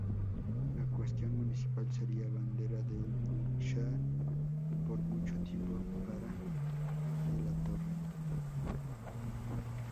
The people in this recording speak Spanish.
La cuestión municipal sería bandera de lucha por mucho tiempo para de la Torre.